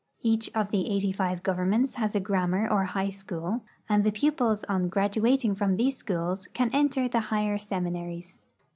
Each of the eighty five governments has a grammar or high school, and the pupils on graduating from these schools can enter the higher seminaries.